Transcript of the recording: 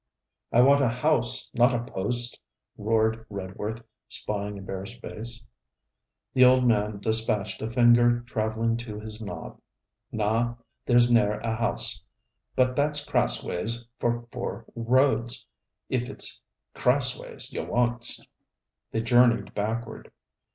'I want a house, not a post!' roared Redworth, spying a bare space. The old man despatched a finger travelling to his nob. 'Naw, there's ne'er a house. But that's crassways for four roads, if it 's crassways, you wants.' They journeyed backward.